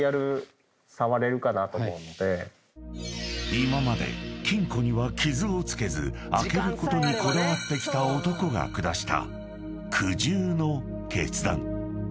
［今まで金庫には傷を付けず開けることにこだわってきた男が下した］